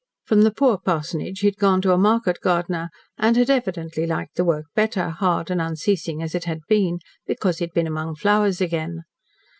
From the poor parsonage he had gone to a market gardener, and had evidently liked the work better, hard and unceasing as it had been, because he had been among flowers again.